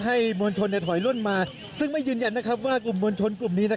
มวลชนถอยล่นมาซึ่งไม่ยืนยันว่ากลุ่มมวลชนกลุ่มนี้